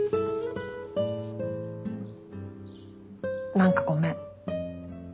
何かごめん。